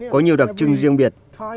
có nhiều đặc trưng riêng biệt